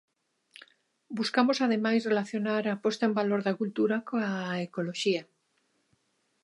Buscamos ademais relacionar a posta en valor da cultura coa ecoloxía.